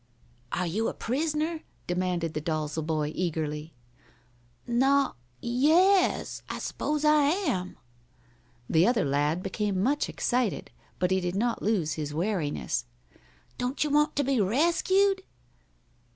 "Are you a prisoner?" demanded the Dalzel boy, eagerly. "No o yes I s'pose I am." The other lad became much excited, but he did not lose his wariness. "Don't you want to be rescued?"